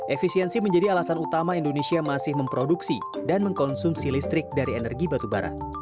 efisiensi menjadi alasan utama indonesia masih memproduksi dan mengkonsumsi listrik dari energi batubara